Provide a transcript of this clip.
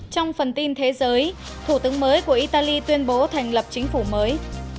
trong phần tin thế giới thủ tướng mới của italy tuyên bố thành lập chính phủ mới